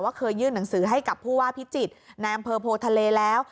เคยยื่นหนังสือให้กับผู้ว่าพิจิตรในอำเภอโพทะเลแล้ว